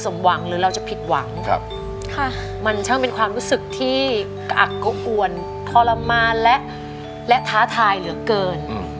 มันใช่ว่าเป็นความรู้สึกที่อักกษัตริย์อ่วนทรมานและและท้าทายเหลือเกิน